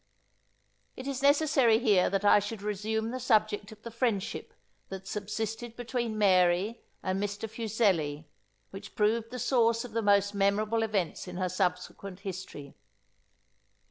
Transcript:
It is necessary here that I should resume the subject of the friendship that subsisted between Mary and Mr. Fuseli, which proved the source of the most memorable events in her subsequent history.